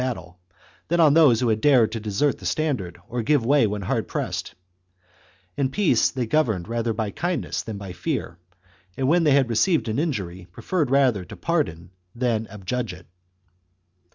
battle, than on those who had dared to desert the stand ard or give way when hard pressed ; in peace, they governed rather by kindness than by fear, and when they had received an injury, preferred rather to pardon than adjudge it.